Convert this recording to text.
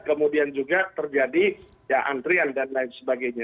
kemudian juga terjadi ya antrian dan lain sebagainya